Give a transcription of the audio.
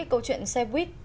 câu chuyện xe bít